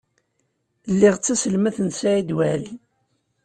Lliɣ d taselmadt n Saɛid Waɛli.